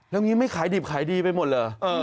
แล้วอย่างนี้ไม่ขายดิบขายดีไปหมดเหรอ